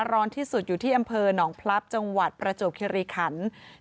ร้อนที่สุดอยู่ที่อำเภอหนองพลับจังหวัดประจวบคิริขัน